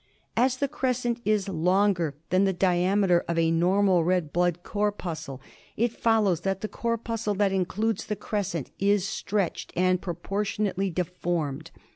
As the crescent is longer than the diameter of a normal red blood corpuscle, it follows that the corpuscle that includes the crescent is stretched and proportionately deformed.